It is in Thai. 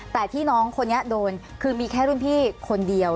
แต่ที่น้องคนนี้โดนคือมีแค่รุ่นพี่คนเดียว